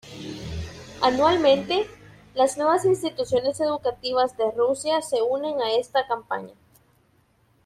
Anualmente, las nuevas instituciones educativas de Rusia se unen a esta campaña.